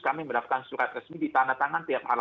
kami mendaftarkan surat resmi di tanda tangan